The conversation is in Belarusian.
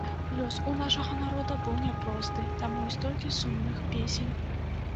Лёс у нашага народа быў няпросты, таму і столькі сумных песень.